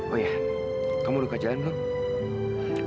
oh iya kamu duka jalan dulu